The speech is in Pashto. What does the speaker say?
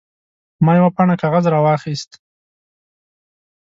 ما یوه پاڼه کاغذ راواخیست.